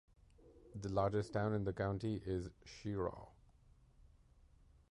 The largest town in the county is Cheraw.